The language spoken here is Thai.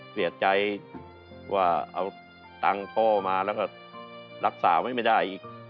เสียใจว่าเอาตังค์พ่อมาแล้วก็รักษาไว้ไม่ได้อีก